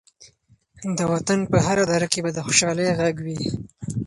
د وطن په هره دره کې به د خوشحالۍ غږ وي.